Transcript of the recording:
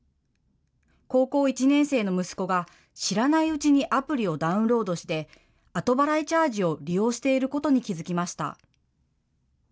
高校１年生の息子が知らないうちにアプリをダウンロードして、後払いチャージを利用していることに気付きました。